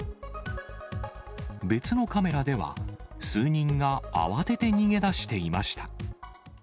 別のカメラでは、数人が慌てて逃げ出していました。